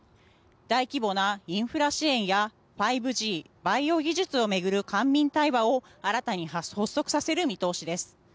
大規模なインフラ支援や５Ｇ、バイオ技術を巡る官民対話を新たに発足させる見通しです。